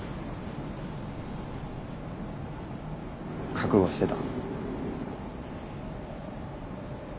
覚悟してた。